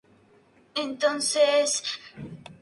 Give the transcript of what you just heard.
Como es el comienzo de la última batalla.